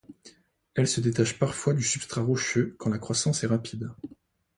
Elle se détache parfois du substrat rocheux quand la croissance est rapide.